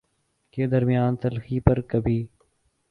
کے درمیان تلخی پر کبھی